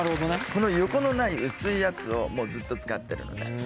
この横のない薄いやつをずっと使ってるので。